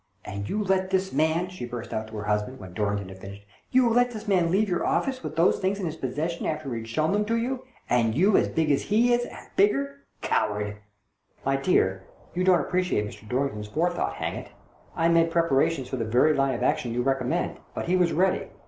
"And you let this man," she burst out to her husband, when Dorrington had finished, "you let this man leave your office with these things in his possession after he had shown them to you, and you as big as he is, and bigger ! Coward !"" My dear, you don't appreciate Mr. Dorring ton's forethought, hang it ! I made preparations for the very line of action you recommend, but he was ready.